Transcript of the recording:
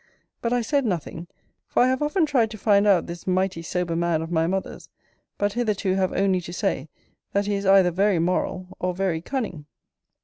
But I said nothing; for I have often tried to find out this might sober man of my mother's: but hitherto have only to say, that he is either very moral, or very cunning.